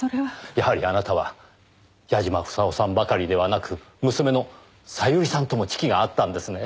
やはりあなたは矢嶋房夫さんばかりではなく娘の小百合さんとも知己があったんですね。